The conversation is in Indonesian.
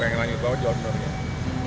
pengen lagi bawa jualan ya